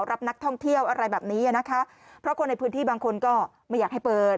รับนักท่องเที่ยวอะไรแบบนี้นะคะเพราะคนในพื้นที่บางคนก็ไม่อยากให้เปิด